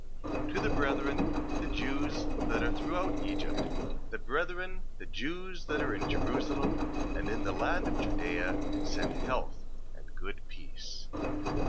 To the brethren, the Jews that are throughout Egypt; the brethren, the Jews that are in Jerusalem, and in the land of Judea, send health and good peace.